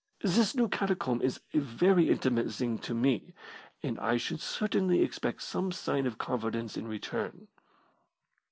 This new catacomb is a very intimate thing to me, and I should certainly expect some sign of confidence in return."